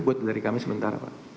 buat dari kami sementara pak